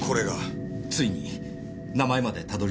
ついに名前までたどり着けましたね。